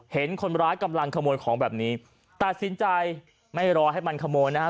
เห็นคนร้ายกำลังขโมยของแบบนี้ตัดสินใจไม่รอให้มันขโมยนะฮะ